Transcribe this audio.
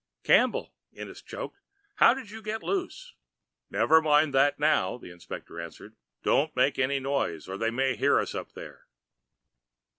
"Campbell!" Ennis choked. "How did you get loose?" "Never mind that now," the inspector answered. "Don't make any noise, or they may hear us up there."